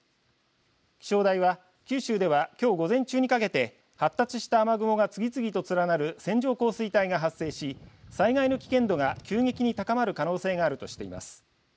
気象台は九州ではきょう午前中にかけて発達した雨雲が次々と連なる線状降水帯が発生し災害の危険度が急激に高まるおそれがあるとしています。